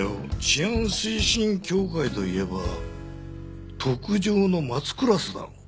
治安推進協会といえば特上の松クラスだろう。